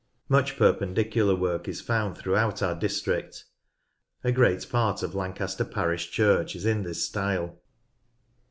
Much Perpendicular work is found throughout our district. A great part of Lancaster parish church is in this style.